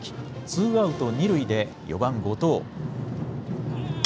ツーアウト二塁で４番・後藤。